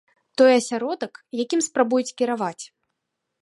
Той асяродак, якім спрабуюць кіраваць.